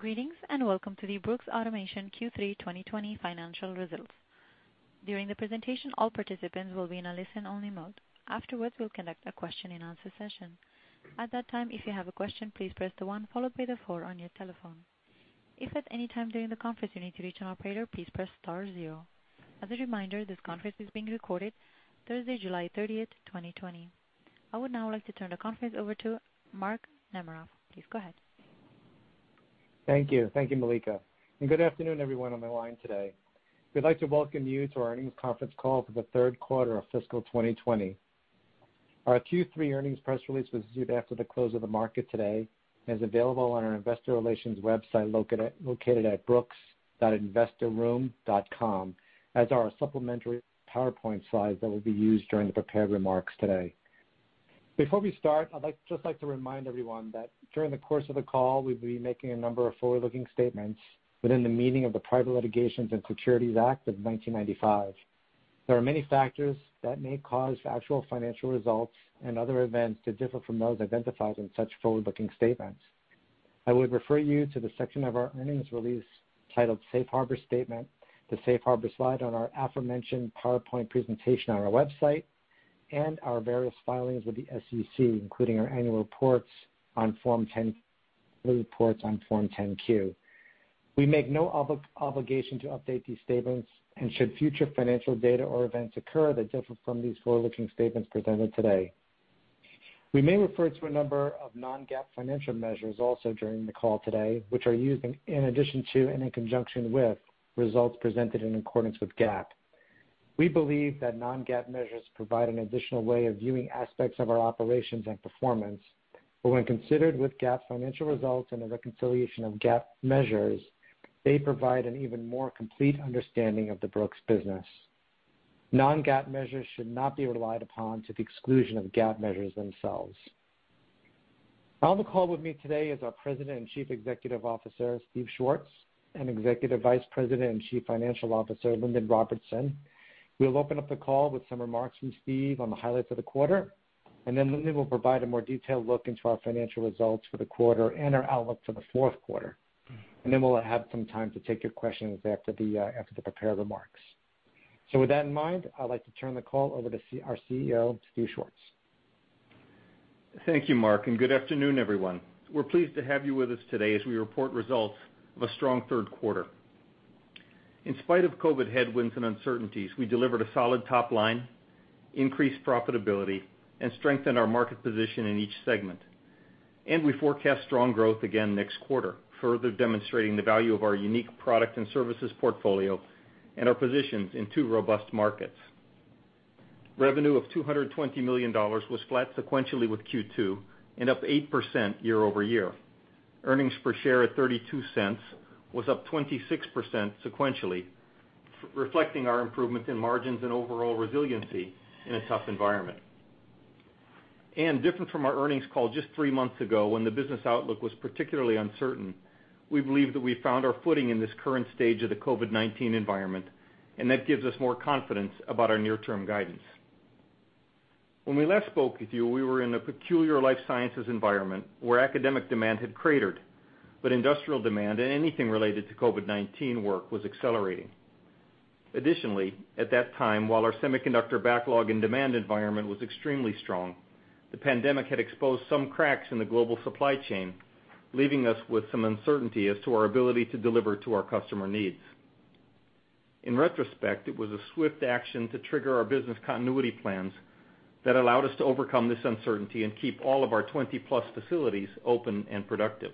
Greetings, and welcome to the Brooks Automation Q3 2020 financial results. During the presentation, all participants will be in a listen-only mode. Afterwards, we will conduct a question and answer session. At that time, if you have a question, please press the one followed by the four on your telephone. If at any time during the conference you need to reach an operator, please press star zero. As a reminder, this conference is being recorded Thursday, July 30th, 2020. I would now like to turn the conference over to Mark Namaroff. Please go ahead. Thank you. Thank you, Malika, and good afternoon everyone on the line today. We'd like to welcome you to our earnings conference call for the third quarter of fiscal 2020. Our Q3 earnings press release was issued after the close of the market today and is available on our investor relations website located at brooks.investorroom.com, as are our supplementary PowerPoint slides that will be used during the prepared remarks today. Before we start, I'd just like to remind everyone that during the course of the call, we'll be making a number of forward-looking statements within the meaning of the Private Securities Litigation Reform Act of 1995. There are many factors that may cause actual financial results and other events to differ from those identified in such forward-looking statements. I would refer you to the section of our earnings release titled Safe Harbor Statement, the Safe Harbor slide on our aforementioned PowerPoint presentation on our website, and our various filings with the SEC, including our annual reports on Form 10-K, and quarterly reports on Form 10-Q. We make no obligation to update these statements and should future financial data or events occur that differ from these forward-looking statements presented today. We may refer to a number of non-GAAP financial measures also during the call today, which are used in addition to and in conjunction with results presented in accordance with GAAP. We believe that non-GAAP measures provide an additional way of viewing aspects of our operations and performance, but when considered with GAAP financial results and a reconciliation of GAAP measures, they provide an even more complete understanding of the Brooks business. Non-GAAP measures should not be relied upon to the exclusion of GAAP measures themselves. On the call with me today is our President and Chief Executive Officer, Steve Schwartz, and Executive Vice President and Chief Financial Officer, Lindon Robertson. We'll open up the call with some remarks from Steve on the highlights of the quarter, Lindon will provide a more detailed look into our financial results for the quarter and our outlook for the fourth quarter. We'll have some time to take your questions after the prepared remarks. With that in mind, I'd like to turn the call over to our CEO, Steve Schwartz. Thank you, Mark. Good afternoon, everyone. We're pleased to have you with us today as we report results of a strong third quarter. In spite of COVID headwinds and uncertainties, we delivered a solid top line, increased profitability, and strengthened our market position in each segment. We forecast strong growth again next quarter, further demonstrating the value of our unique product and services portfolio and our positions in two robust markets. Revenue of $220 million was flat sequentially with Q2 and up 8% year-over-year. Earnings per share at $0.32 was up 26% sequentially, reflecting our improvements in margins and overall resiliency in a tough environment, different from our earnings call just three months ago, when the business outlook was particularly uncertain. We believe that we have found our footing in this current stage of the COVID-19 environment. That gives us more confidence about our near-term guidance. When we last spoke with you, we were in a peculiar life sciences environment where academic demand had cratered. Industrial demand and anything related to COVID-19 work was accelerating. Additionally, at that time, while our semiconductor backlog and demand environment was extremely strong, the pandemic had exposed some cracks in the global supply chain, leaving us with some uncertainty as to our ability to deliver to our customer needs. In retrospect, it was a swift action to trigger our business continuity plans that allowed us to overcome this uncertainty and keep all of our 20+ facilities open and productive.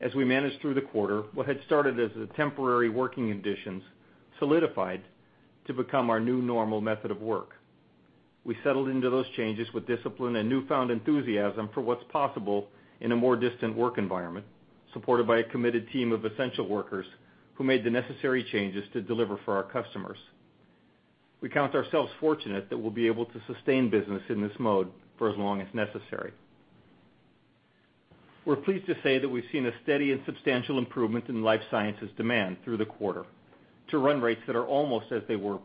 As we managed through the quarter, what had started as temporary working conditions solidified to become our new normal method of work. We settled into those changes with discipline and newfound enthusiasm for what's possible in a more distant work environment, supported by a committed team of essential workers who made the necessary changes to deliver for our customers. We count ourselves fortunate that we'll be able to sustain business in this mode for as long as necessary. We're pleased to say that we've seen a steady and substantial improvement in life sciences demand through the quarter to run rates that are almost as they were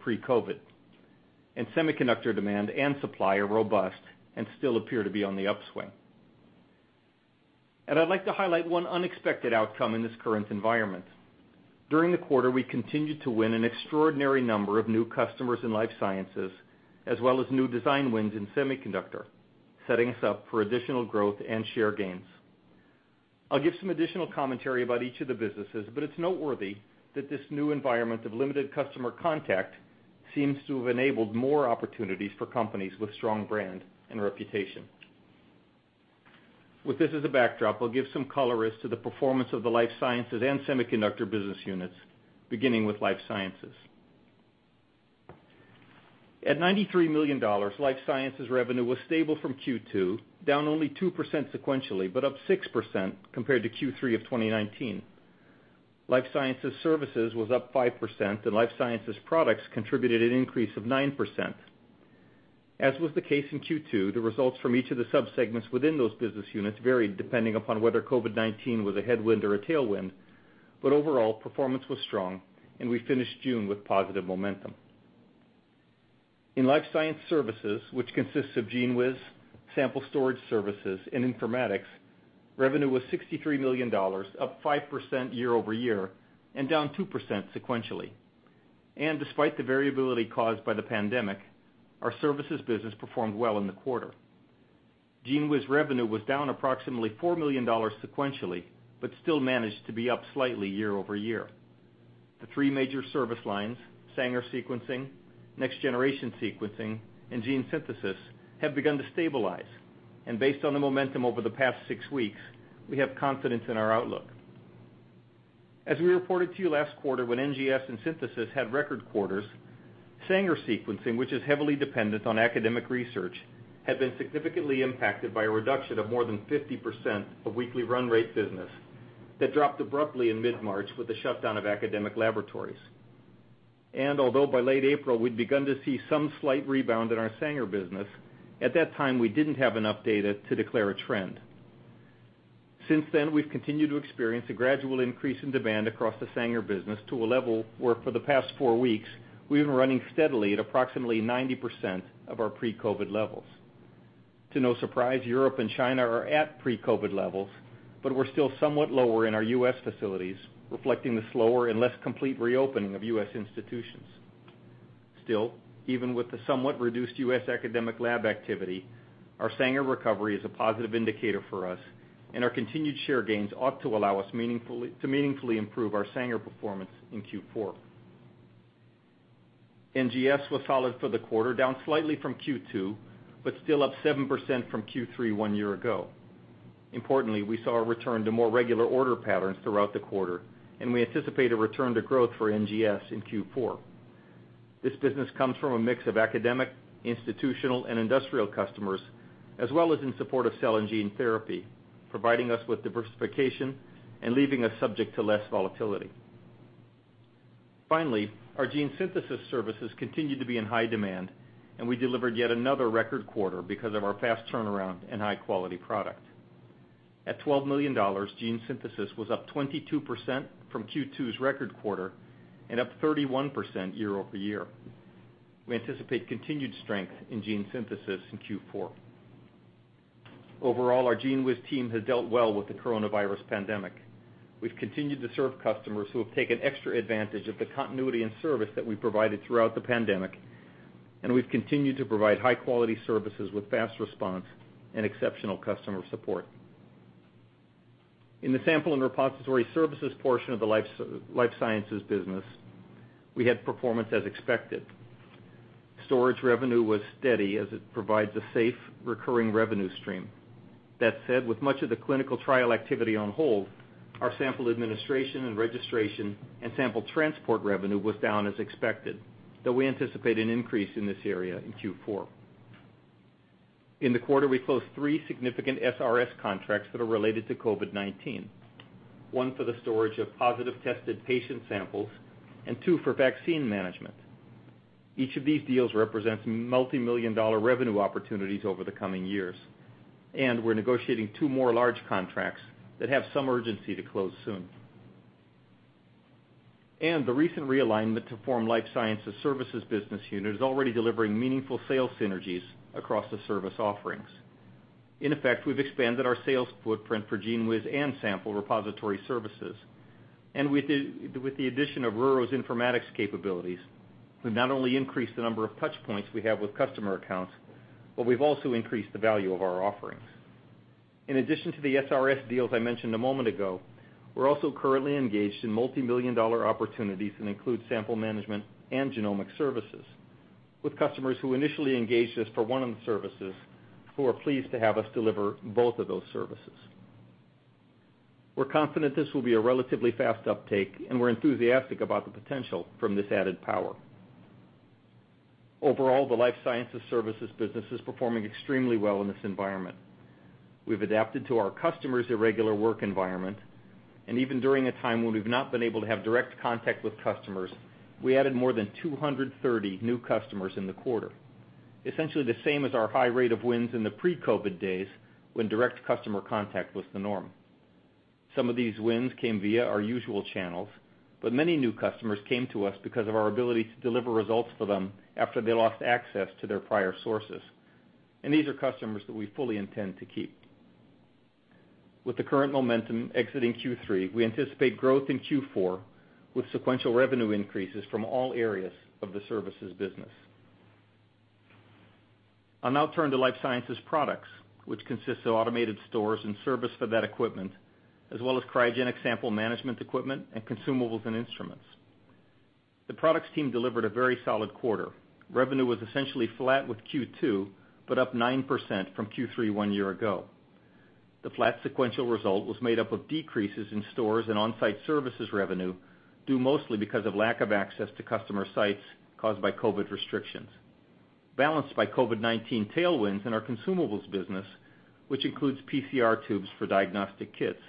pre-COVID. Semiconductor demand and supply are robust and still appear to be on the upswing. I'd like to highlight one unexpected outcome in this current environment. During the quarter, we continued to win an extraordinary number of new customers in life sciences, as well as new design wins in semiconductor, setting us up for additional growth and share gains. I'll give some additional commentary about each of the businesses, but it's noteworthy that this new environment of limited customer contact seems to have enabled more opportunities for companies with strong brand and reputation. With this as a backdrop, I'll give some color as to the performance of the life sciences and semiconductor business units, beginning with life sciences. At $93 million, life sciences revenue was stable from Q2, down only 2% sequentially, but up 6% compared to Q3 of 2019. Life sciences services was up 5%, and life sciences products contributed an increase of 9%. As was the case in Q2, the results from each of the sub-segments within those business units varied depending upon whether COVID-19 was a headwind or a tailwind. Overall, performance was strong, and we finished June with positive momentum. In life science services, which consists of GENEWIZ, sample storage services, and informatics, revenue was $63 million, up 5% year-over-year and down 2% sequentially. Despite the variability caused by the pandemic, our services business performed well in the quarter. GENEWIZ revenue was down approximately $4 million sequentially, but still managed to be up slightly year-over-year. The three major service lines, Sanger sequencing, next-generation sequencing, and gene synthesis, have begun to stabilize. Based on the momentum over the past six weeks, we have confidence in our outlook. As we reported to you last quarter when NGS and synthesis had record quarters, Sanger sequencing, which is heavily dependent on academic research, had been significantly impacted by a reduction of more than 50% of weekly run rate business that dropped abruptly in mid-March with the shutdown of academic laboratories. Although by late April, we'd begun to see some slight rebound in our Sanger business, at that time, we didn't have enough data to declare a trend. Since then, we've continued to experience a gradual increase in demand across the Sanger business to a level where for the past four weeks, we've been running steadily at approximately 90% of our pre-COVID levels. To no surprise, Europe and China are at pre-COVID levels, but we're still somewhat lower in our U.S. facilities, reflecting the slower and less complete reopening of U.S. institutions. Still, even with the somewhat reduced U.S. academic lab activity, our Sanger recovery is a positive indicator for us, and our continued share gains ought to allow us to meaningfully improve our Sanger performance in Q4. NGS was solid for the quarter, down slightly from Q2, but still up 7% from Q3 one year ago. Importantly, we saw a return to more regular order patterns throughout the quarter, and we anticipate a return to growth for NGS in Q4. This business comes from a mix of academic, institutional, and industrial customers, as well as in support of cell and gene therapy, providing us with diversification and leaving us subject to less volatility. Finally, our gene synthesis services continued to be in high demand, and we delivered yet another record quarter because of our fast turnaround and high-quality product. At $12 million, gene synthesis was up 22% from Q2's record quarter and up 31% year-over-year. We anticipate continued strength in gene synthesis in Q4. Overall, our GENEWIZ team has dealt well with the coronavirus pandemic. We've continued to serve customers who have taken extra advantage of the continuity and service that we've provided throughout the pandemic, and we've continued to provide high-quality services with fast response and exceptional customer support. In the sample and repository services portion of the life sciences business, we had performance as expected. Storage revenue was steady as it provides a safe, recurring revenue stream. That said, with much of the clinical trial activity on hold, our sample administration and registration and sample transport revenue was down as expected, though we anticipate an increase in this area in Q4. In the quarter, we closed three significant SRS contracts that are related to COVID-19, one for the storage of positive-tested patient samples and two for vaccine management. Each of these deals represents multimillion-dollar revenue opportunities over the coming years. We're negotiating two more large contracts that have some urgency to close soon. The recent realignment to form Life Sciences Services business unit is already delivering meaningful sales synergies across the service offerings. In effect, we've expanded our sales footprint for GENEWIZ and Sample Repository Services. With the addition of RURO's Informatics capabilities, we've not only increased the number of touch points we have with customer accounts, but we've also increased the value of our offerings. In addition to the SRS deals I mentioned a moment ago, we're also currently engaged in multimillion-dollar opportunities that include sample management and genomic services with customers who initially engaged us for one of the services who are pleased to have us deliver both of those services. We're confident this will be a relatively fast uptake, and we're enthusiastic about the potential from this added power. Overall, the Life Sciences Services business is performing extremely well in this environment. We've adapted to our customers' irregular work environment, and even during a time when we've not been able to have direct contact with customers, we added more than 230 new customers in the quarter, essentially the same as our high rate of wins in the pre-COVID days when direct customer contact was the norm. Some of these wins came via our usual channels, but many new customers came to us because of our ability to deliver results for them after they lost access to their prior sources, and these are customers that we fully intend to keep. With the current momentum exiting Q3, we anticipate growth in Q4 with sequential revenue increases from all areas of the services business. I'll now turn to Life Sciences products, which consists of automated stores and service for that equipment, as well as cryogenic sample management equipment and consumables and instruments. The products team delivered a very solid quarter. Revenue was essentially flat with Q2, but up 9% from Q3 one year ago. The flat sequential result was made up of decreases in stores and on-site services revenue, due mostly because of lack of access to customer sites caused by COVID restrictions, balanced by COVID-19 tailwinds in our consumables business, which includes PCR tubes for diagnostic kits,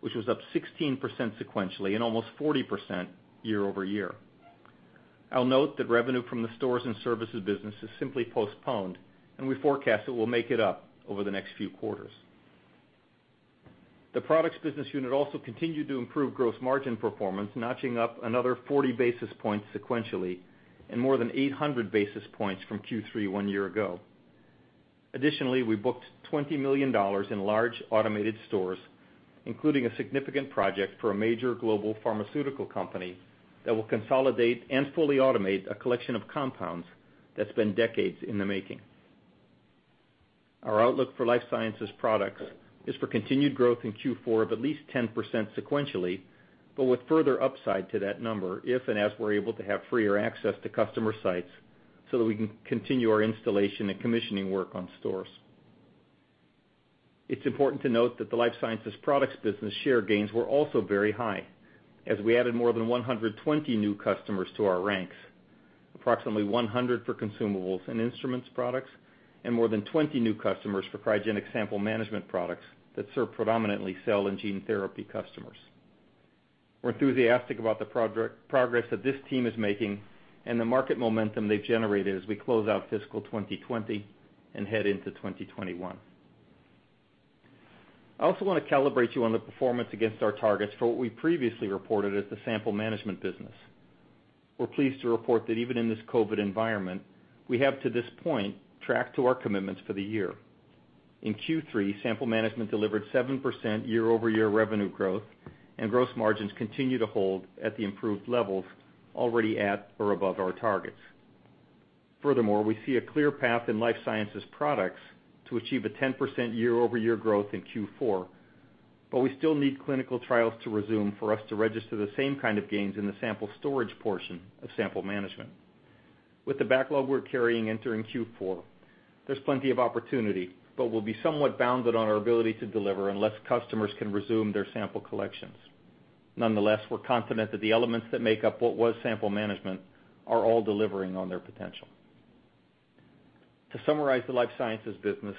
which was up 16% sequentially and almost 40% year-over-year. I'll note that revenue from the stores and services business is simply postponed, and we forecast that we'll make it up over the next few quarters. The products business unit also continued to improve gross margin performance, notching up another 40 basis points sequentially and more than 800 basis points from Q3 one year ago. Additionally, we booked $20 million in large automated stores, including a significant project for a major global pharmaceutical company that will consolidate and fully automate a collection of compounds that's been decades in the making. Our outlook for life sciences products is for continued growth in Q4 of at least 10% sequentially, but with further upside to that number if and as we're able to have freer access to customer sites so that we can continue our installation and commissioning work on stores. It's important to note that the life sciences products business share gains were also very high as we added more than 120 new customers to our ranks. Approximately 100 for consumables and instruments products, and more than 20 new customers for cryogenic sample management products that serve predominantly cell and gene therapy customers. We're enthusiastic about the progress that this team is making and the market momentum they've generated as we close out fiscal 2020 and head into 2021. I also want to calibrate you on the performance against our targets for what we previously reported as the sample management business. We're pleased to report that even in this COVID environment, we have, to this point, tracked to our commitments for the year. In Q3, sample management delivered 7% year-over-year revenue growth, and gross margins continue to hold at the improved levels already at or above our targets. Furthermore, we see a clear path in life sciences products to achieve a 10% year-over-year growth in Q4, but we still need clinical trials to resume for us to register the same kind of gains in the sample storage portion of sample management. With the backlog we're carrying entering Q4, there's plenty of opportunity, but we'll be somewhat bounded on our ability to deliver unless customers can resume their sample collections. Nonetheless, we're confident that the elements that make up what was sample management are all delivering on their potential. To summarize the life sciences business,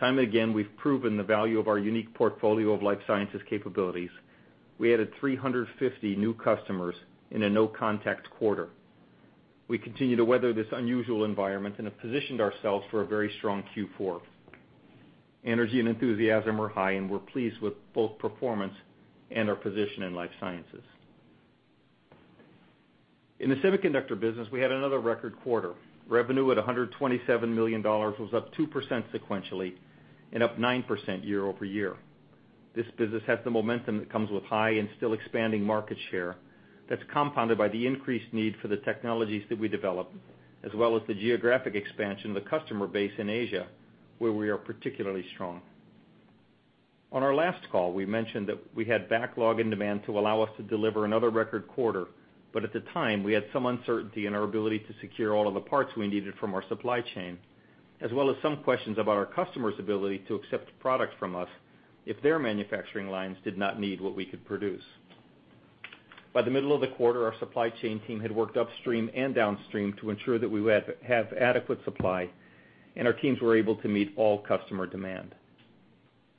time and again, we've proven the value of our unique portfolio of life sciences capabilities. We added 350 new customers in a no-contact quarter. We continue to weather this unusual environment and have positioned ourselves for a very strong Q4. Energy and enthusiasm are high, and we're pleased with both performance and our position in life sciences. In the semiconductor business, we had another record quarter. Revenue at $127 million was up 2% sequentially and up 9% year-over-year. This business has the momentum that comes with high and still expanding market share that's compounded by the increased need for the technologies that we develop, as well as the geographic expansion of the customer base in Asia, where we are particularly strong. On our last call, we mentioned that we had backlog and demand to allow us to deliver another record quarter, but at the time, we had some uncertainty in our ability to secure all of the parts we needed from our supply chain, as well as some questions about our customers' ability to accept product from us if their manufacturing lines did not need what we could produce. By the middle of the quarter, our supply chain team had worked upstream and downstream to ensure that we have adequate supply, and our teams were able to meet all customer demand.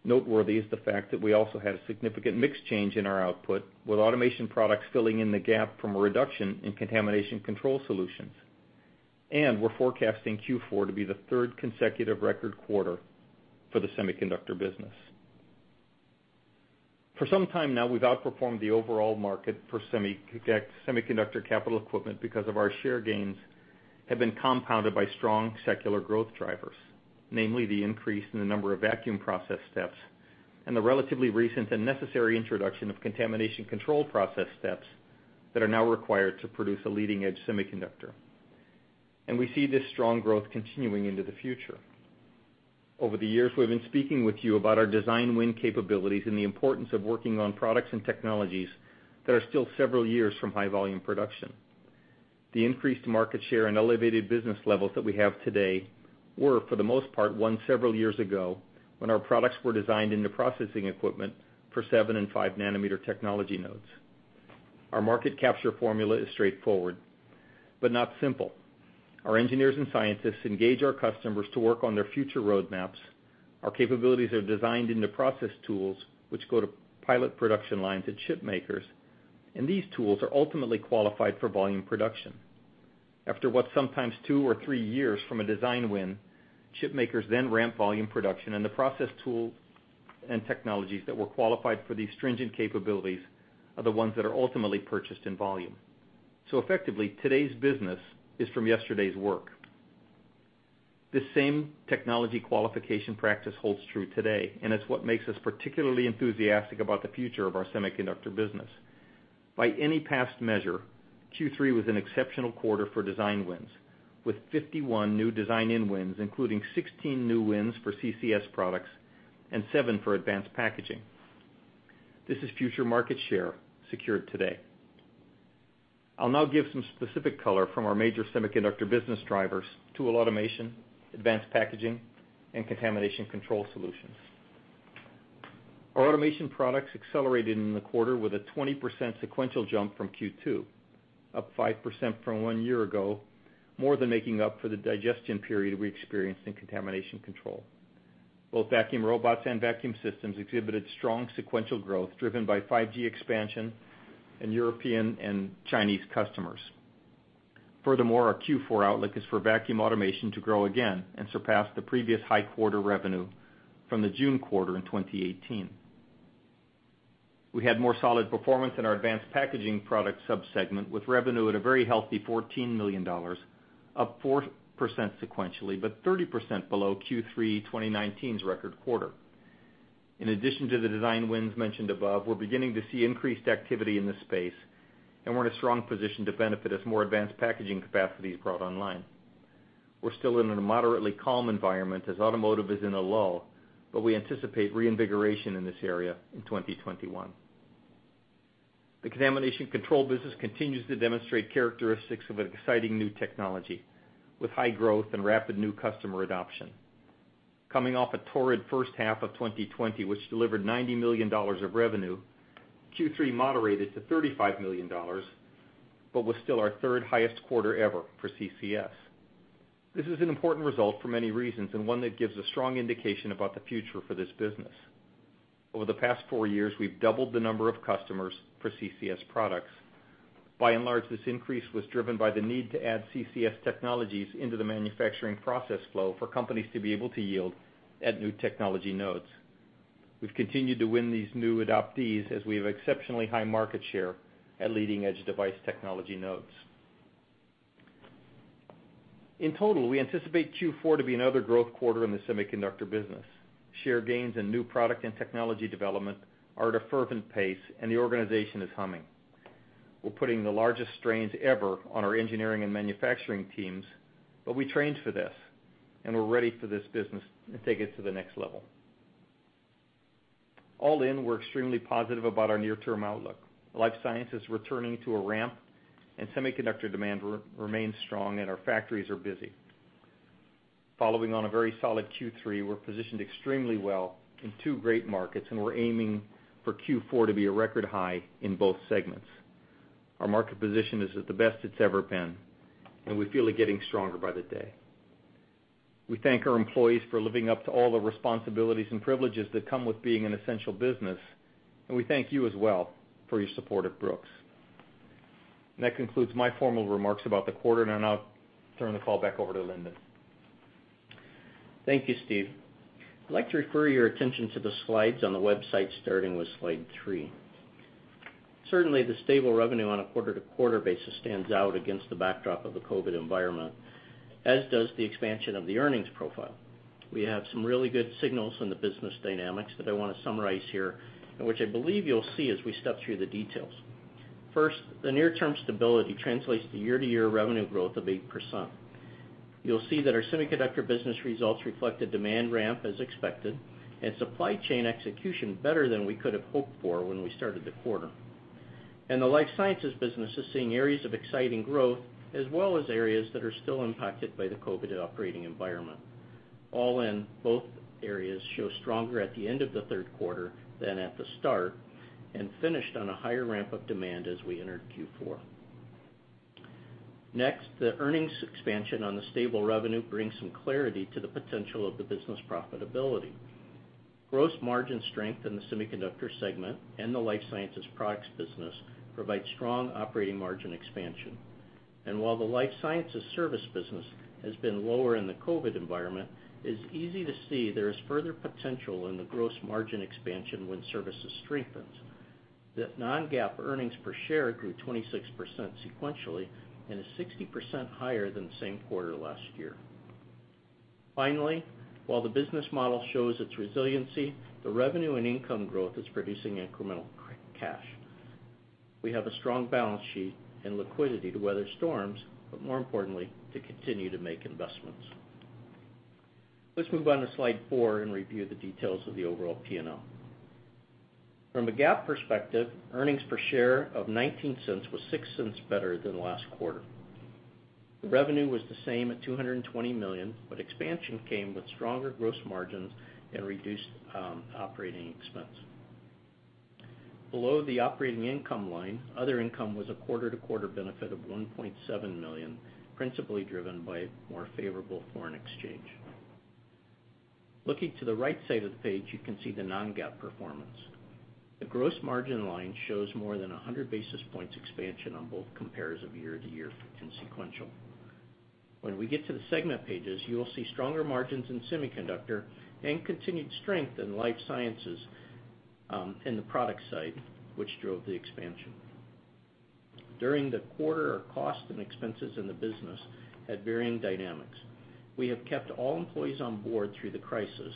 Noteworthy is the fact that we also had a significant mix change in our output, with automation products filling in the gap from a reduction in contamination control solutions. We're forecasting Q4 to be the third consecutive record quarter for the semiconductor business. For some time now, we've outperformed the overall market for semiconductor capital equipment because of our share gains have been compounded by strong secular growth drivers. Namely, the increase in the number of vacuum process steps and the relatively recent and necessary introduction of contamination control process steps that are now required to produce a leading-edge semiconductor. We see this strong growth continuing into the future. Over the years, we've been speaking with you about our design win capabilities and the importance of working on products and technologies that are still several years from high-volume production. The increased market share and elevated business levels that we have today were, for the most part, won several years ago when our products were designed into processing equipment for seven and five nanometer technology nodes. Our market capture formula is straightforward but not simple. Our engineers and scientists engage our customers to work on their future roadmaps. Our capabilities are designed into process tools, which go to pilot production lines at chip makers, and these tools are ultimately qualified for volume production. After what's sometimes two or three years from a design win, chip makers ramp volume production, and the process tools and technologies that were qualified for these stringent capabilities are the ones that are ultimately purchased in volume. Effectively, today's business is from yesterday's work. This same technology qualification practice holds true today, and it's what makes us particularly enthusiastic about the future of our semiconductor business. By any past measure, Q3 was an exceptional quarter for design wins, with 51 new design-in wins, including 16 new wins for CCS products and seven for advanced packaging. This is future market share secured today. I'll now give some specific color from our major semiconductor business drivers: tool automation, advanced packaging, and contamination control solutions. Our automation products accelerated in the quarter with a 20% sequential jump from Q2, up 5% from one year ago, more than making up for the digestion period we experienced in contamination control. Both vacuum robots and vacuum systems exhibited strong sequential growth, driven by 5G expansion in European and Chinese customers. Furthermore, our Q4 outlook is for vacuum automation to grow again and surpass the previous high quarter revenue from the June quarter in 2018. We had more solid performance in our advanced packaging product sub-segment, with revenue at a very healthy $14 million, up 4% sequentially, but 30% below Q3 2019's record quarter. In addition to the design wins mentioned above, we're beginning to see increased activity in this space, we're in a strong position to benefit as more advanced packaging capacity is brought online. We're still in a moderately calm environment as automotive is in a lull, we anticipate reinvigoration in this area in 2021. The contamination control business continues to demonstrate characteristics of an exciting new technology, with high growth and rapid new customer adoption. Coming off a torrid first half of 2020, which delivered $90 million of revenue, Q3 moderated to $35 million, was still our third highest quarter ever for CCS. This is an important result for many reasons, one that gives a strong indication about the future for this business. Over the past four years, we've doubled the number of customers for CCS products. By and large, this increase was driven by the need to add CCS technologies into the manufacturing process flow for companies to be able to yield at new technology nodes. We've continued to win these new adoptees as we have exceptionally high market share at leading-edge device technology nodes. In total, we anticipate Q4 to be another growth quarter in the semiconductor business. Share gains and new product and technology development are at a fervent pace, and the organization is humming. We're putting the largest strains ever on our engineering and manufacturing teams, but we trained for this, and we're ready for this business and take it to the next level. All in, we're extremely positive about our near-term outlook. Life science is returning to a ramp, and semiconductor demand remains strong, and our factories are busy. Following on a very solid Q3, we're positioned extremely well in two great markets, and we're aiming for Q4 to be a record high in both segments. Our market position is at the best it's ever been, and we feel it getting stronger by the day. We thank our employees for living up to all the responsibilities and privileges that come with being an essential business, and we thank you as well for your support of Brooks. That concludes my formal remarks about the quarter, and now I'll turn the call back over to Lindon. Thank you, Steve. I'd like to refer your attention to the slides on the website, starting with slide three. Certainly, the stable revenue on a quarter-to-quarter basis stands out against the backdrop of the COVID environment, as does the expansion of the earnings profile. We have some really good signals on the business dynamics that I want to summarize here, and which I believe you'll see as we step through the details. First, the near-term stability translates to year-to-year revenue growth of 8%. You'll see that our semiconductor business results reflect a demand ramp as expected, and supply chain execution better than we could've hoped for when we started the quarter. The life sciences business is seeing areas of exciting growth, as well as areas that are still impacted by the COVID operating environment. All in, both areas show stronger at the end of the third quarter than at the start, finished on a higher ramp of demand as we entered Q4. Next, the earnings expansion on the stable revenue brings some clarity to the potential of the business profitability. Gross margin strength in the semiconductor segment and the life sciences products business provide strong operating margin expansion. While the life sciences service business has been lower in the COVID environment, it's easy to see there is further potential in the gross margin expansion when services strengthens. The non-GAAP earnings per share grew 26% sequentially and is 60% higher than the same quarter last year. Finally, while the business model shows its resiliency, the revenue and income growth is producing incremental cash. We have a strong balance sheet and liquidity to weather storms, more importantly, to continue to make investments. Let's move on to slide four and review the details of the overall P&L. From a GAAP perspective, earnings per share of $0.19 was $0.06 better than last quarter. The revenue was the same at $220 million, expansion came with stronger gross margins and reduced operating expense. Below the operating income line, other income was a quarter-to-quarter benefit of $1.7 million, principally driven by more favorable foreign exchange. Looking to the right side of the page, you can see the non-GAAP performance. The gross margin line shows more than 100 basis points expansion on both compares of year to year and sequential. When we get to the segment pages, you will see stronger margins in semiconductor and continued strength in life sciences in the product side, which drove the expansion. During the quarter, our costs and expenses in the business had varying dynamics. We have kept all employees on board through the crisis,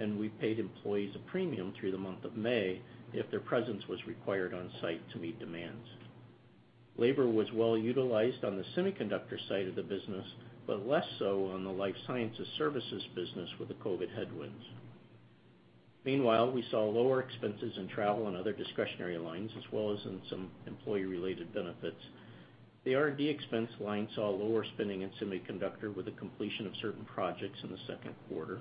and we paid employees a premium through the month of May if their presence was required on site to meet demands. Labor was well utilized on the semiconductor side of the business, but less so on the life sciences services business with the COVID headwinds. Meanwhile, we saw lower expenses in travel and other discretionary lines, as well as in some employee-related benefits. The R&D expense line saw lower spending in semiconductor with the completion of certain projects in the second quarter.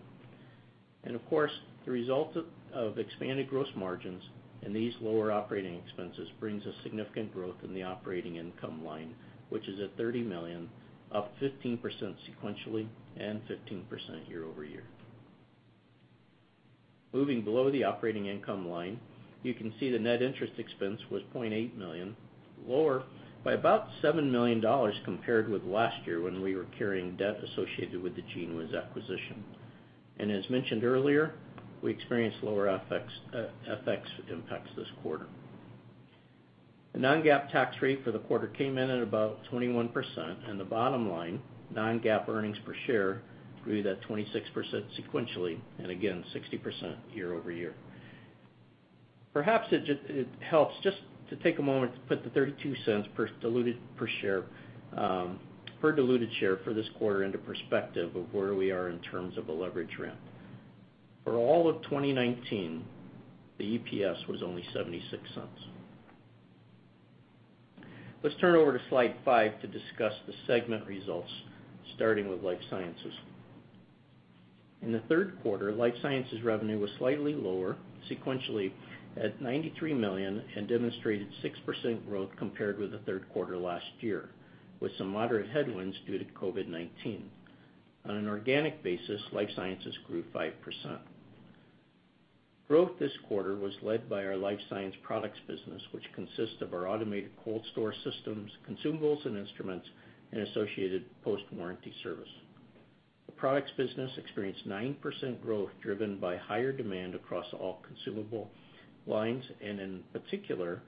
Of course, the result of expanded gross margins and these lower operating expenses brings a significant growth in the operating income line, which is at $30 million, up 15% sequentially and 15% year-over-year. Moving below the operating income line, you can see the net interest expense was $0.8 million, lower by about $7 million compared with last year when we were carrying debt associated with the GENEWIZ acquisition. As mentioned earlier, we experienced lower FX impacts this quarter. The non-GAAP tax rate for the quarter came in at about 21%, the bottom line, non-GAAP earnings per share grew that 26% sequentially, again, 60% year-over-year. Perhaps it helps just to take a moment to put the $0.32 per diluted share for this quarter into perspective of where we are in terms of a leverage ramp. For all of 2019, the EPS was only $0.76. Let's turn over to slide five to discuss the segment results, starting with life sciences. In the third quarter, life sciences revenue was slightly lower sequentially at $93 million, and demonstrated 6% growth compared with the third quarter last year, with some moderate headwinds due to COVID-19. On an organic basis, life sciences grew 5%. Growth this quarter was led by our life science products business, which consists of our automated cold store systems, consumables and instruments, and associated post-warranty service. The products business experienced 9% growth, driven by higher demand across all consumable lines, and in particular,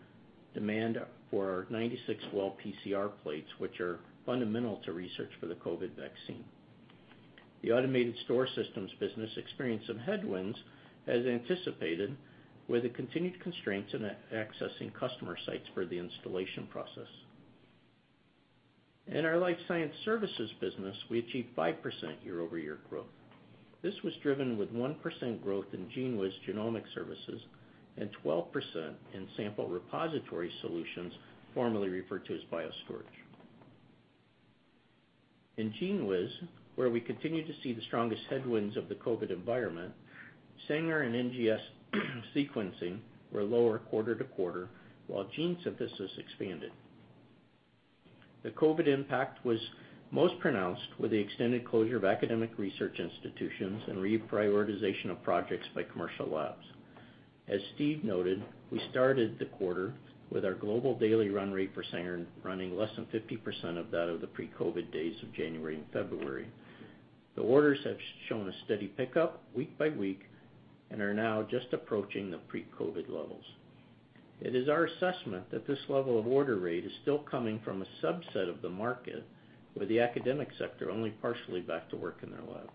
demand for our 96-well PCR plates, which are fundamental to research for the COVID vaccine. The automated store systems business experienced some headwinds as anticipated with the continued constraints in accessing customer sites for the installation process. In our life science services business, we achieved 5% year-over-year growth. This was driven with 1% growth in GENEWIZ genomic services and 12% in sample repository solutions, formerly referred to as BioStorage. In GENEWIZ, where we continue to see the strongest headwinds of the COVID-19 environment, Sanger and NGS sequencing were lower quarter to quarter, while gene synthesis expanded. The COVID impact was most pronounced with the extended closure of academic research institutions and reprioritization of projects by commercial labs. As Steve noted, we started the quarter with our global daily run rate for Sanger running less than 50% of that of the pre-COVID days of January and February. The orders have shown a steady pickup week by week and are now just approaching the pre-COVID levels. It is our assessment that this level of order rate is still coming from a subset of the market with the academic sector only partially back to work in their labs.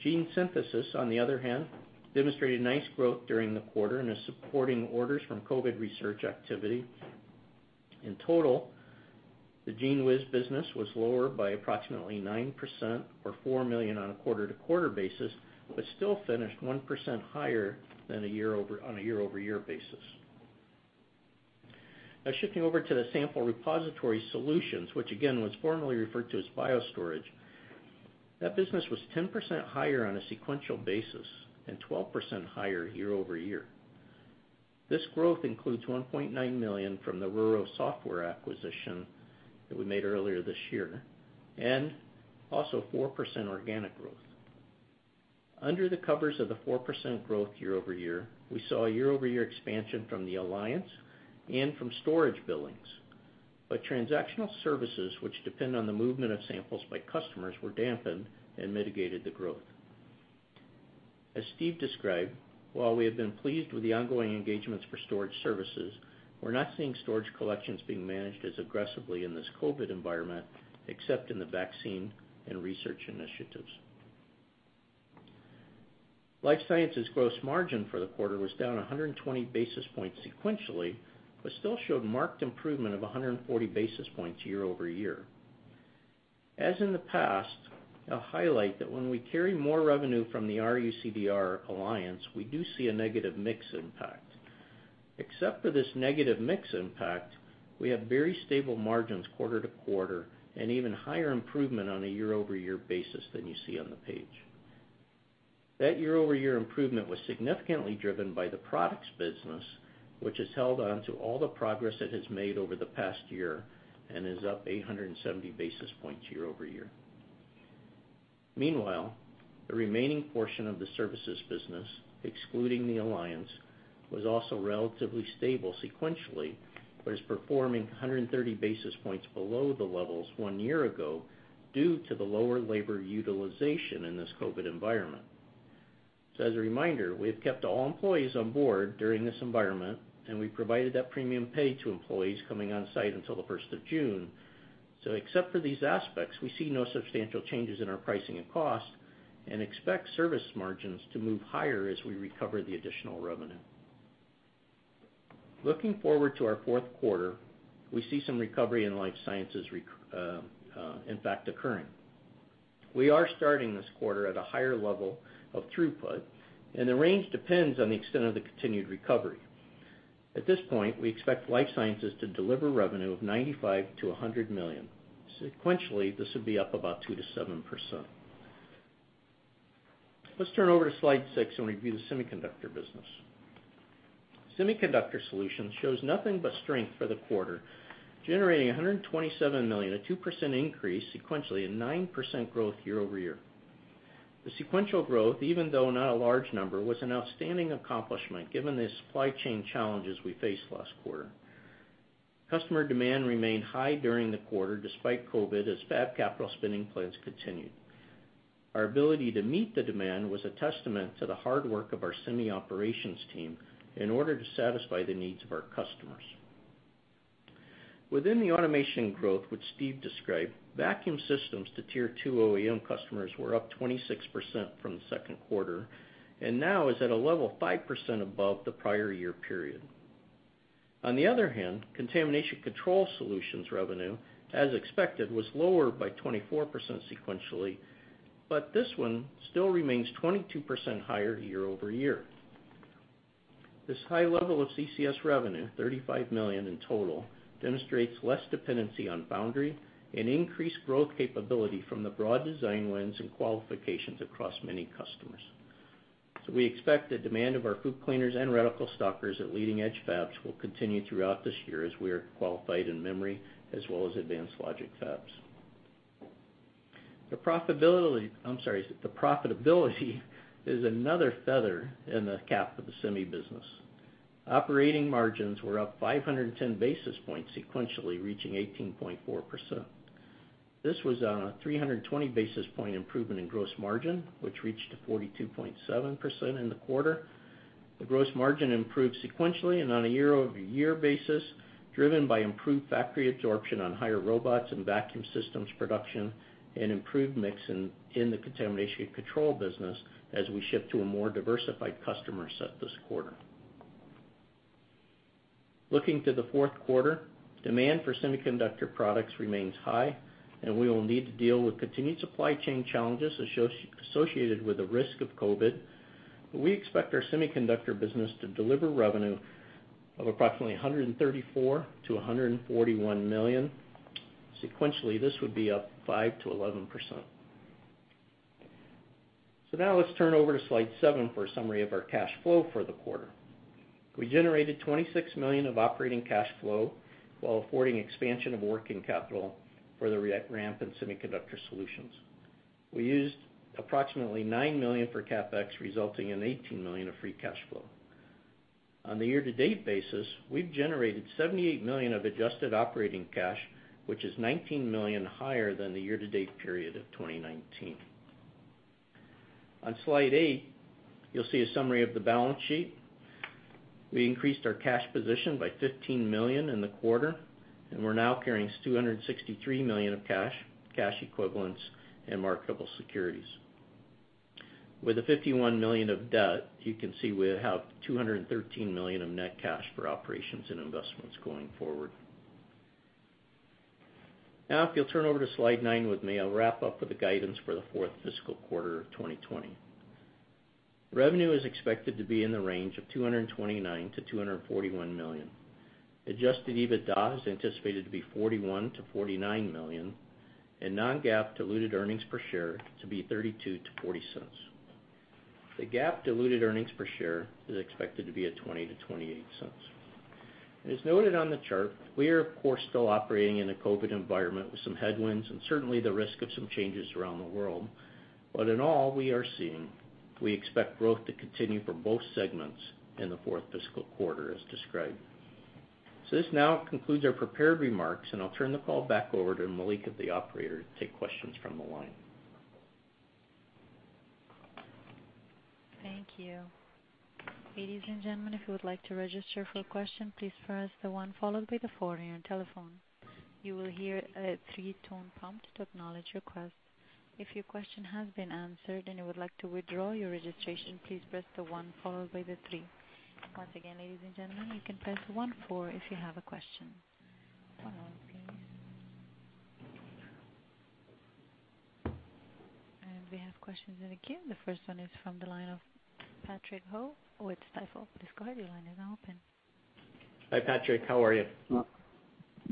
Gene synthesis, on the other hand, demonstrated nice growth during the quarter and is supporting orders from COVID research activity. In total, the GENEWIZ business was lower by approximately 9% or $4 million on a quarter-to-quarter basis, but still finished 1% higher on a year-over-year basis. Now shifting over to the sample repository solutions, which again was formerly referred to as BioStorage, that business was 10% higher on a sequential basis and 12% higher year-over-year. This growth includes $1.9 million from the RURO software acquisition that we made earlier this year, and also 4% organic growth. Under the covers of the 4% growth year-over-year, we saw a year-over-year expansion from the alliance and from storage billings. Transactional services, which depend on the movement of samples by customers, were dampened and mitigated the growth. As Steve described, while we have been pleased with the ongoing engagements for storage services, we're not seeing storage collections being managed as aggressively in this COVID environment, except in the vaccine and research initiatives. Life sciences gross margin for the quarter was down 120 basis points sequentially, but still showed marked improvement of 140 basis points year-over-year. As in the past, I'll highlight that when we carry more revenue from the RUCDR alliance, we do see a negative mix impact. Except for this negative mix impact, we have very stable margins quarter-to-quarter and even higher improvement on a year-over-year basis than you see on the page. That year-over-year improvement was significantly driven by the products business, which has held on to all the progress it has made over the past year and is up 870 basis points year-over-year. Meanwhile, the remaining portion of the services business, excluding the alliance, was also relatively stable sequentially, but is performing 130 basis points below the levels one year ago due to the lower labor utilization in this COVID environment. As a reminder, we've kept all employees on board during this environment, and we provided that premium pay to employees coming on site until the 1st of June. Except for these aspects, we see no substantial changes in our pricing and cost and expect service margins to move higher as we recover the additional revenue. Looking forward to our fourth quarter, we see some recovery in life sciences in fact occurring. We are starting this quarter at a higher level of throughput, and the range depends on the extent of the continued recovery. At this point, we expect life sciences to deliver revenue of $95 million-$100 million. Sequentially, this would be up about 2%-7%. Let's turn over to slide six and review the semiconductor business. Semiconductor solutions shows nothing but strength for the quarter, generating $127 million, a 2% increase sequentially, and 9% growth year-over-year. The sequential growth, even though not a large number, was an outstanding accomplishment given the supply chain challenges we faced last quarter. Customer demand remained high during the quarter despite COVID, as fab capital spending plans continued. Our ability to meet the demand was a testament to the hard work of our semi operations team in order to satisfy the needs of our customers. Within the automation growth which Steve described, vacuum systems to Tier 2 OEM customers were up 26% from the second quarter, and now is at a level 5% above the prior year period. On the other hand, contamination control solutions revenue, as expected, was lower by 24% sequentially. This one still remains 22% higher year-over-year. This high level of CCS revenue, $35 million in total, demonstrates less dependency on foundry and increased growth capability from the broad design wins and qualifications across many customers. We expect the demand of our FOUP cleaners and reticle stockers at leading-edge fabs will continue throughout this year as we are qualified in memory as well as advanced logic fabs. The profitability is another feather in the cap of the semi business. Operating margins were up 510 basis points sequentially, reaching 18.4%. This was on a 320 basis point improvement in gross margin, which reached to 42.7% in the quarter. The gross margin improved sequentially and on a year-over-year basis, driven by improved factory absorption on higher robots and vacuum systems production, and improved mix in the contamination control business as we ship to a more diversified customer set this quarter. Looking to the fourth quarter, demand for semiconductor products remains high. We will need to deal with continued supply chain challenges associated with the risk of COVID. We expect our semiconductor business to deliver revenue of approximately $134 million-$141 million. Sequentially, this would be up 5%-11%. Now let's turn over to slide seven for a summary of our cash flow for the quarter. We generated $26 million of operating cash flow while affording expansion of working capital for the ramp in semiconductor solutions. We used approximately $9 million for CapEx, resulting in $18 million of free cash flow. On the year-to-date basis, we've generated $78 million of adjusted operating cash, which is $19 million higher than the year-to-date period of 2019. On slide eight, you'll see a summary of the balance sheet. We increased our cash position by $15 million in the quarter, and we're now carrying $263 million of cash equivalents, and marketable securities. With a $51 million of debt, you can see we have $213 million of net cash for operations and investments going forward. Now, if you'll turn over to slide nine with me, I'll wrap up with the guidance for the fourth fiscal quarter of 2020. Revenue is expected to be in the range of $229 million-$241 million. Adjusted EBITDA is anticipated to be $41 million-$49 million, and non-GAAP diluted earnings per share to be $0.32-$0.40. The GAAP diluted earnings per share is expected to be at $0.20-$0.28. As noted on the chart, we are, of course, still operating in a COVID environment with some headwinds and certainly the risk of some changes around the world. In all we are seeing, we expect growth to continue for both segments in the fourth fiscal quarter as described. This now concludes our prepared remarks, and I'll turn the call back over to Malika, the operator, to take questions from the line. Thank you. Ladies and gentlemen, if you would like to register for a question, please press the one followed by the four on your telephone. You will hear a three-tone prompt to acknowledge your request. If your question has been answered and you would like to withdraw your registration, please press the one followed by the three. Once again, ladies and gentlemen, you can press one, four if you have a question. One, please. We have questions in the queue. The first one is from the line of Patrick Ho with Stifel. Patrick, your line is open. Hi, Patrick, how are you?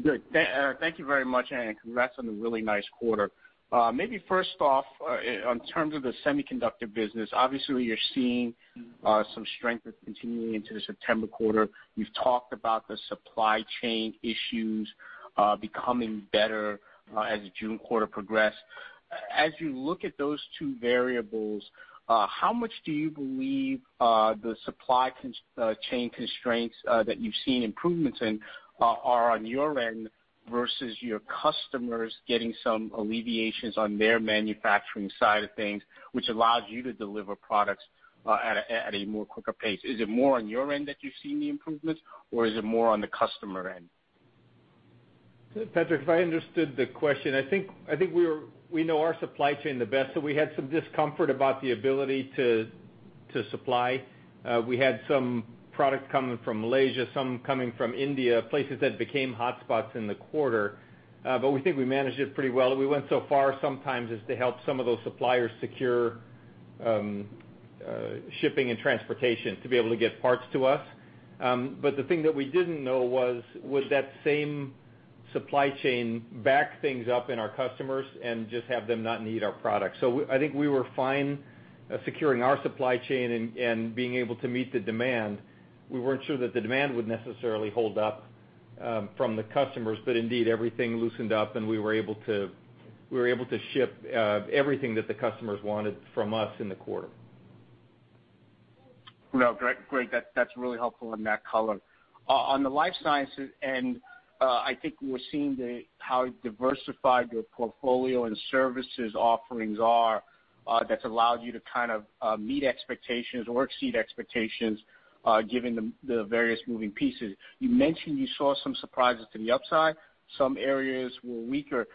Good. Thank you very much, and congrats on the really nice quarter. Maybe first off, in terms of the semiconductor business, obviously you're seeing some strength that's continuing into the September quarter. You've talked about the supply chain issues becoming better as the June quarter progressed. As you look at those two variables, how much do you believe the supply chain constraints that you've seen improvements in are on your end versus your customers getting some alleviations on their manufacturing side of things, which allows you to deliver products at a more quicker pace? Is it more on your end that you've seen the improvements, or is it more on the customer end? Patrick, if I understood the question, I think we know our supply chain the best. We had some discomfort about the ability to supply. We had some product coming from Malaysia, some coming from India, places that became hotspots in the quarter. We think we managed it pretty well. We went so far sometimes as to help some of those suppliers secure shipping and transportation to be able to get parts to us. The thing that we didn't know was, would that same supply chain back things up in our customers and just have them not need our product. I think we were fine securing our supply chain and being able to meet the demand. We weren't sure that the demand would necessarily hold up from the customers, but indeed, everything loosened up, and we were able to ship everything that the customers wanted from us in the quarter. No, great. That's really helpful in that color. On the life sciences, I think we're seeing how diversified your portfolio and services offerings are that's allowed you to meet expectations or exceed expectations, given the various moving pieces. You mentioned you saw some surprises to the upside. Some areas were weaker.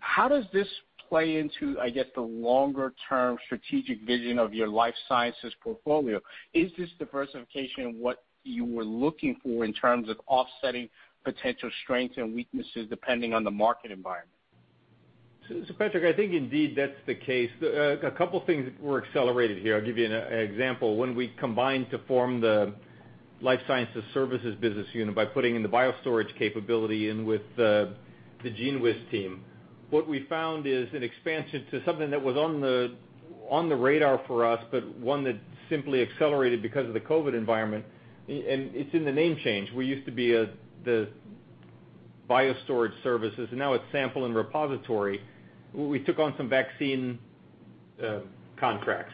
How does this play into, I guess, the longer-term strategic vision of your life sciences portfolio? Is this diversification what you were looking for in terms of offsetting potential strengths and weaknesses depending on the market environment? Patrick, I think indeed that's the case. A couple of things were accelerated here. I'll give you an example. When we combined to form the life sciences services business unit by putting in the BioStorage capability in with the GENEWIZ team, what we found is an expansion to something that was on the radar for us, but one that simply accelerated because of the COVID environment, and it's in the name change. We used to be the BioStorage services, and now it's sample and repository. We took on some vaccine contracts.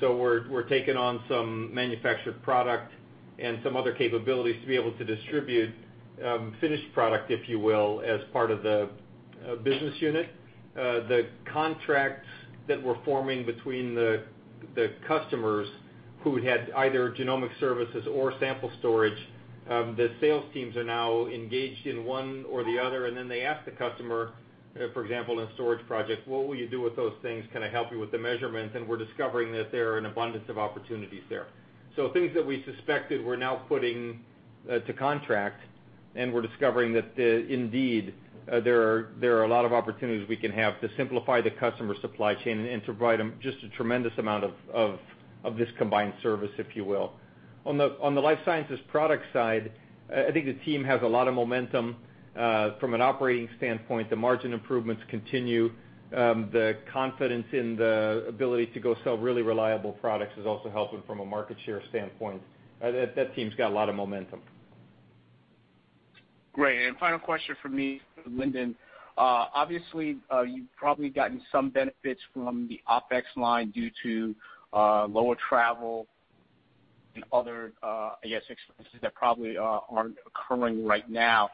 We're taking on some manufactured product and some other capabilities to be able to distribute finished product, if you will, as part of the business unit. The contracts that we're forming between the customers who had either genomic services or sample storage, the sales teams are now engaged in one or the other. They ask the customer, for example, in a storage project, "What will you do with those things? Can I help you with the measurements?" We're discovering that there are an abundance of opportunities there. Things that we suspected, we're now putting to contract. We're discovering that indeed, there are a lot of opportunities we can have to simplify the customer supply chain and to provide them just a tremendous amount of this combined service, if you will. On the life sciences product side, I think the team has a lot of momentum from an operating standpoint. The margin improvements continue. The confidence in the ability to go sell really reliable products is also helping from a market share standpoint. That team's got a lot of momentum. Great. Final question from me, Lindon. Obviously, you've probably gotten some benefits from the OpEx line due to lower travel and other, I guess, expenses that probably aren't occurring right now.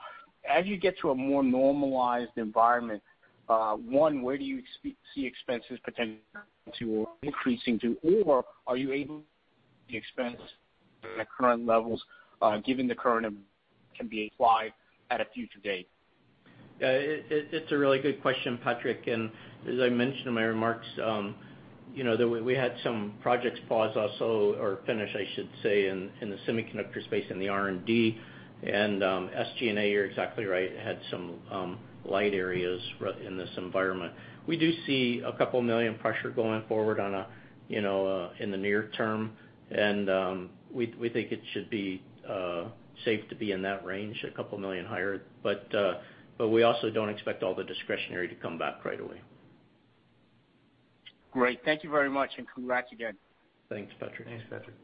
As you get to a more normalized environment, one, where do you see expenses potentially increasing to? Are you able to expense at current levels, given the current can be applied at a future date? It's a really good question, Patrick, and as I mentioned in my remarks, we had some projects pause also or finish, I should say, in the semiconductor space in the R&D, and SG&A, you're exactly right, had some light areas in this environment. We do see a couple million pressure going forward in the near term, and we think it should be safe to be in that range, a couple million higher. We also don't expect all the discretionary to come back right away. Great. Thank you very much, and congrats again. Thanks, Patrick. Thanks, Patrick.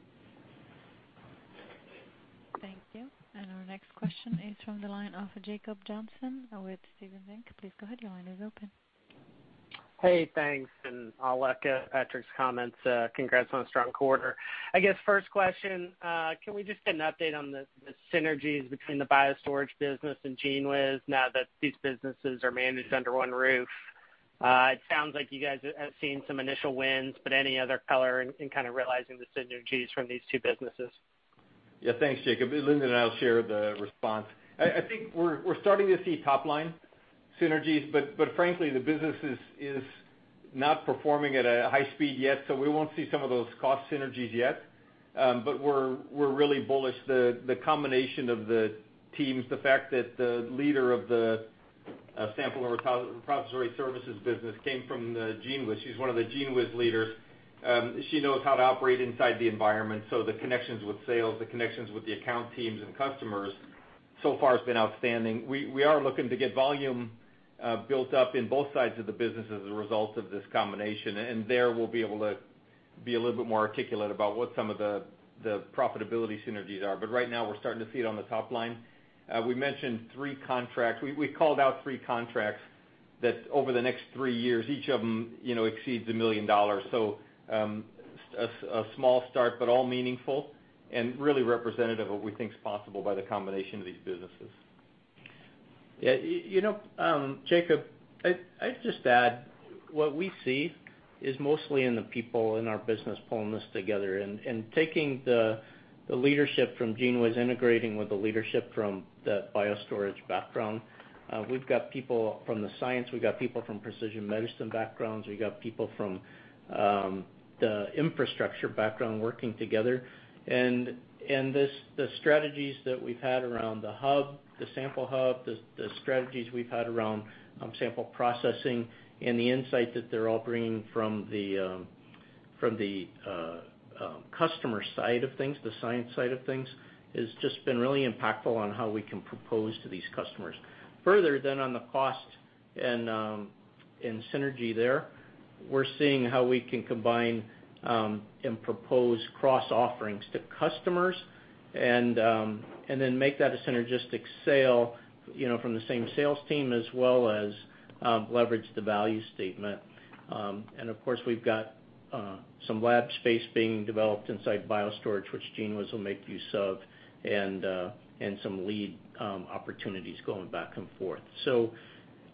Thank you. Our next question is from the line of Jacob Johnson with Stephens Inc.. Please go ahead, your line is open. Hey, thanks. I'll echo Patrick's comments. Congrats on a strong quarter. I guess first question, can we just get an update on the synergies between the BioStorage business and GENEWIZ now that these businesses are managed under one roof? It sounds like you guys have seen some initial wins. Any other color in kind of realizing the synergies from these two businesses? Yeah, thanks, Jacob. Lindon and I will share the response. I think we're starting to see top-line synergies, but frankly, the business is not performing at a high speed yet, so we won't see some of those cost synergies yet. We're really bullish. The combination of the teams, the fact that the leader of the sample and repository services business came from GENEWIZ. She's one of the GENEWIZ leaders. She knows how to operate inside the environment, so the connections with sales, the connections with the account teams and customers so far has been outstanding. We are looking to get volume built up in both sides of the business as a result of this combination, and there we'll be able to be a little bit more articulate about what some of the profitability synergies are. Right now, we're starting to see it on the top line. We mentioned three contracts. We called out three contracts that over the next three years, each of them exceeds $1 million. A small start, but all meaningful and really representative of what we think is possible by the combination of these businesses. Yeah. Jacob, I'd just add, what we see is mostly in the people in our business pulling this together and taking the leadership from GENEWIZ, integrating with the leadership from the BioStorage background. We've got people from the science, we've got people from precision medicine backgrounds, we've got people from the infrastructure background working together. The strategies that we've had around the hub, the sample hub, the strategies we've had around sample processing and the insight that they're all bringing from the. From the customer side of things, the science side of things, has just been really impactful on how we can propose to these customers. Further than on the cost and synergy there, we're seeing how we can combine and propose cross offerings to customers and then make that a synergistic sale from the same sales team as well as leverage the value statement. Of course, we've got some lab space being developed inside BioStorage, which GENEWIZ will make use of, and some lead opportunities going back and forth.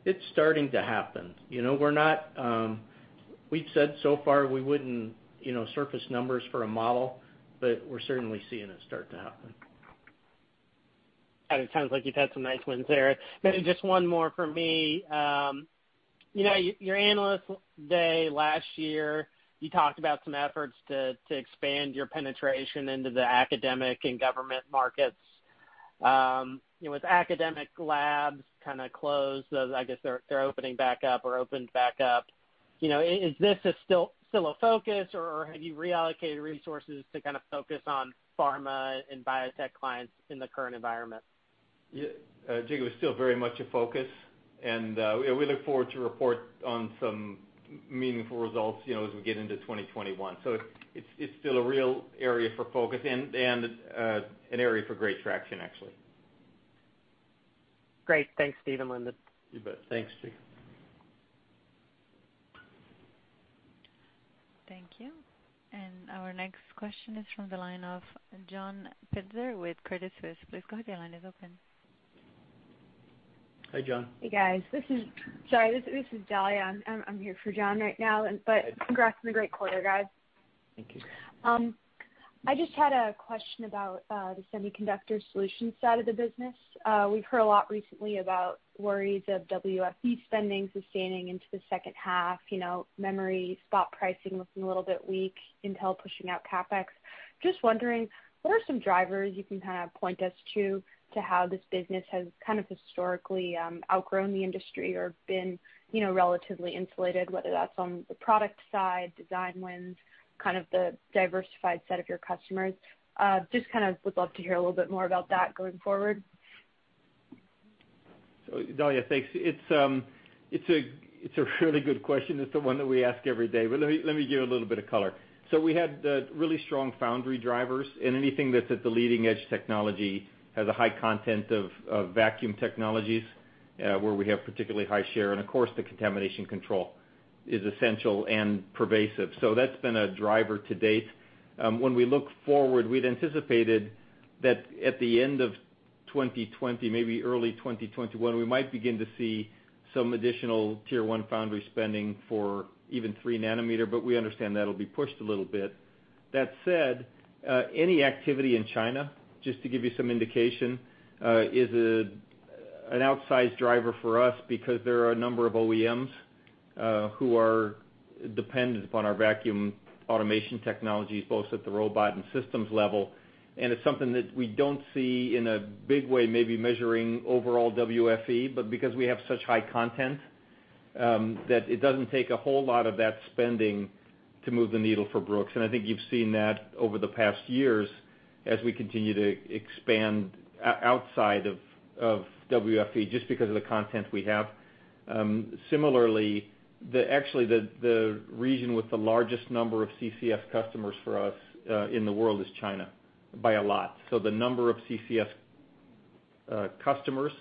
It's starting to happen. We've said so far we wouldn't surface numbers for a model, but we're certainly seeing it start to happen. It sounds like you've had some nice wins there. Maybe just one more from me. Your analyst day last year, you talked about some efforts to expand your penetration into the academic and government markets. With academic labs closed, I guess they're opening back up or opened back up. Is this still a focus, or have you reallocated resources to focus on pharma and biotech clients in the current environment? Yeah, Jacob, still very much a focus, and we look forward to report on some meaningful results as we get into 2021. It's still a real area for focus and an area for great traction, actually. Great. Thanks, Steve and Lindon. You bet. Thanks, Jacob. Thank you. Our next question is from the line of John Pitzer with Credit Suisse. Please go ahead, your line is open. Hi, John. Hey, guys. Sorry, this is Dalia. I'm here for John right now, but congrats on a great quarter, guys. Thank you. I just had a question about the semiconductor solution side of the business. We've heard a lot recently about worries of WFE spending sustaining into the second half, memory spot pricing looking a little bit weak, Intel pushing out CapEx. Just wondering, what are some drivers you can kind of point us to how this business has historically outgrown the industry or been relatively insulated, whether that's on the product side, design wins, the diversified set of your customers? Just would love to hear a little bit more about that going forward. Dalia, thanks. It's a really good question. It's the one that we ask every day, but let me give a little bit of color. We had really strong foundry drivers, and anything that's at the leading-edge technology has a high content of vacuum technologies, where we have particularly high share. Of course, the contamination control is essential and pervasive. That's been a driver to date. When we look forward, we'd anticipated that at the end of 2020, maybe early 2021, we might begin to see some additional Tier 1 foundry spending for even 3 nm, but we understand that'll be pushed a little bit. That said, any activity in China, just to give you some indication, is an outsized driver for us because there are a number of OEMs who are dependent upon our vacuum automation technologies, both at the robot and systems level. It's something that we don't see in a big way maybe measuring overall WFE, but because we have such high content, that it doesn't take a whole lot of that spending to move the needle for Brooks. I think you've seen that over the past years as we continue to expand outside of WFE, just because of the content we have. Similarly, actually the region with the largest number of CCS customers for us in the world is China, by a lot. The number of CCS customers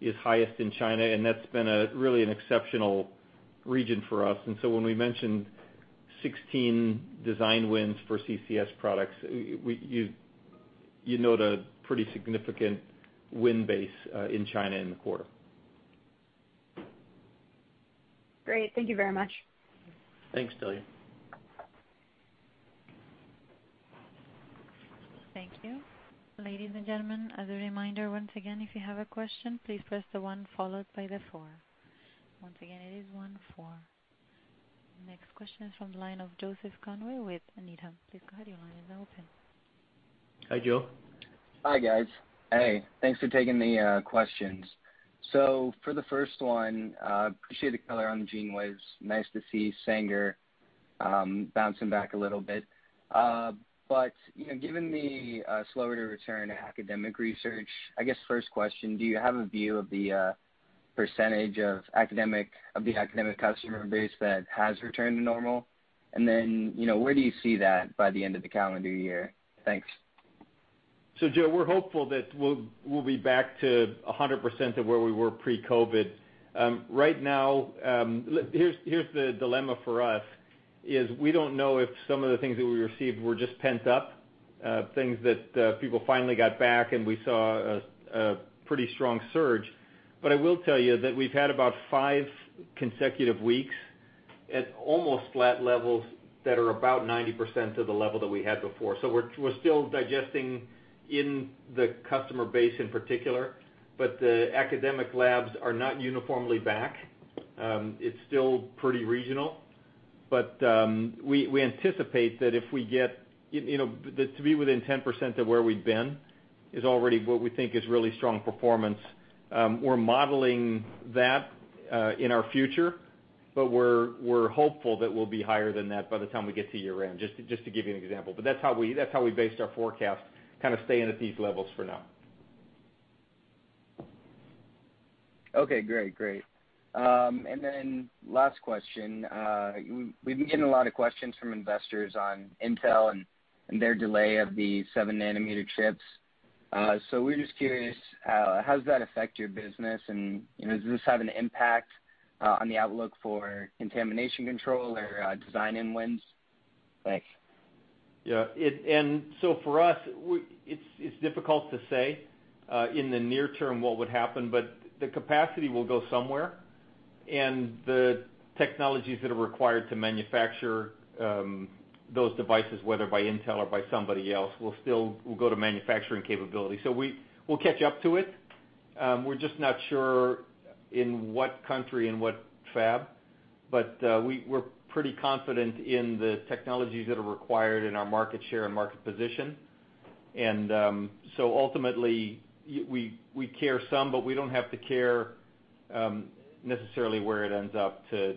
is highest in China, and that's been really an exceptional region for us. When we mentioned 16 design wins for CCS products, you note a pretty significant win base in China in the quarter. Great. Thank you very much. Thanks, Dalia. Thank you. Ladies and gentlemen, as a reminder, once again, if you have a question, please press the one followed by the four. Once again, it is one, four. Next question is from the line of Joseph Conway with Needham. Please go ahead, your line is open. Hi, Joe. Hi, guys. Hey, thanks for taking the questions. For the first one, appreciate the color on GENEWIZ. Nice to see Sanger bouncing back a little bit. Given the slower return to academic research, I guess first question, do you have a view of the percentage of the academic customer base that has returned to normal? Where do you see that by the end of the calendar year? Thanks. Joe, we're hopeful that we'll be back to 100% of where we were pre-COVID. Right now, here's the dilemma for us, is we don't know if some of the things that we received were just pent up, things that people finally got back, and we saw a pretty strong surge. I will tell you that we've had about five consecutive weeks at almost flat levels that are about 90% of the level that we had before. We're still digesting in the customer base in particular, but the academic labs are not uniformly back. It's still pretty regional. We anticipate that to be within 10% of where we'd been is already what we think is really strong performance. We're modeling that in our future, but we're hopeful that we'll be higher than that by the time we get to year-end, just to give you an example. That's how we base our forecast, kind of staying at these levels for now. Okay, great. Last question. We've been getting a lot of questions from investors on Intel and their delay of the 7-nm chips. We're just curious, how does that affect your business, and does this have an impact on the outlook for contamination control or design-in wins? Thanks. Yeah. For us, it's difficult to say in the near term what would happen, but the capacity will go somewhere, and the technologies that are required to manufacture those devices, whether by Intel or by somebody else, will go to manufacturing capability. We'll catch up to it. We're just not sure in what country and what fab, but we're pretty confident in the technologies that are required in our market share and market position. Ultimately, we care some, but we don't have to care necessarily where it ends up to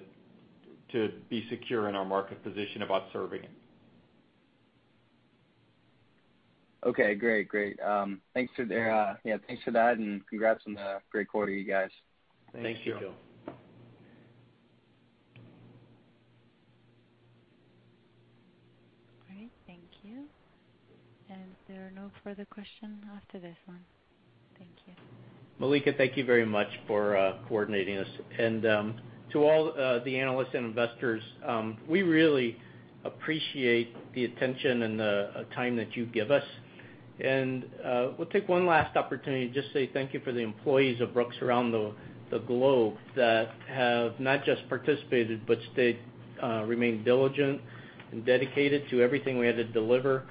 be secure in our market position about serving it. Okay, great. Thanks for that. Congrats on the great quarter, you guys. Thank you. Thank you. All right. Thank you. There are no further questions after this one. Thank you. Malika, thank you very much for coordinating this. To all the analysts and investors, we really appreciate the attention and the time that you give us. We'll take one last opportunity to just say thank you for the employees of Brooks around the globe that have not just participated, but remained diligent and dedicated to everything we had to deliver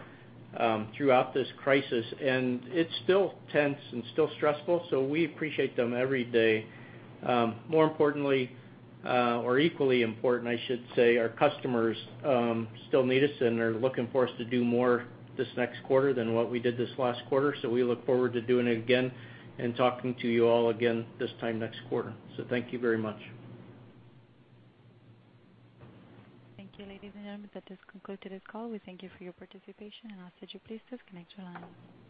throughout this crisis. It's still tense and still stressful, so we appreciate them every day. More importantly, or equally important, I should say, our customers still need us and are looking for us to do more this next quarter than what we did this last quarter. We look forward to doing it again and talking to you all again this time next quarter. Thank you very much. Thank you, ladies and gentlemen. That has concluded this call. We thank you for your participation, and I'll ask that you please disconnect your lines.